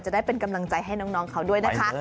ได้เป็นกำลังใจให้น้องเขาด้วยนะคะ